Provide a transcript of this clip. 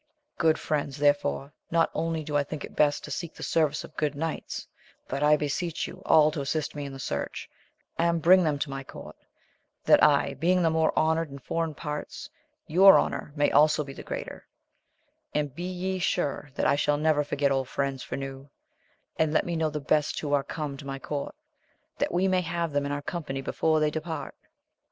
Good friends, therefore, not only do I think it best to seek the service of good knights, but I beseech ye all to assist me in the search, and bring them to my court, that I being the more honoured in foreign parts, your honour may also be the greater : and be ye sure that I never shall forget old friends for new ; and let me know the best who are come to my court, that we may have them in our company before they depart.